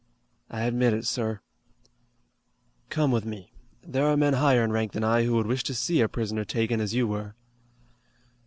"I admit it, sir." "Come with me. There are men higher in rank than I who would wish to see a prisoner taken as you were."